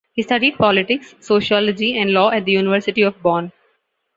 He studied politics, sociology and law at the University of Bonn.